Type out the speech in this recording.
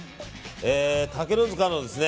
竹の塚のですね